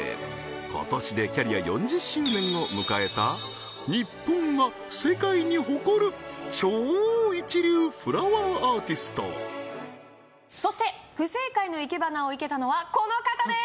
今年でキャリア４０周年を迎えた日本が世界に誇る超一流フラワーアーティストそして不正解の生け花を生けたのはこの方です